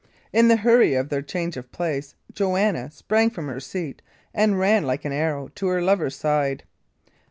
In the hurry of their change of place, Joanna sprang from her seat and ran like an arrow to her lover's side.